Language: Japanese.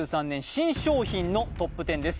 新商品のＴＯＰ１０です